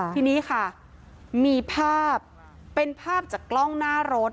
ทีนี้ค่ะมีภาพเป็นภาพจากกล้องหน้ารถ